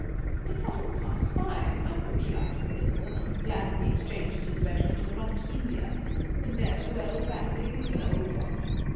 But that all passed by. I thought she liked him a little, and I was glad when he exchanged his regiment and went off to India. A ne'er do well family, if an old one."